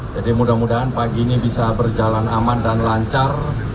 jadi mudah mudahan pagi ini bisa berjalan aman dan lancar